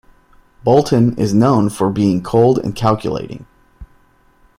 Bolton is known for being cold and calculating.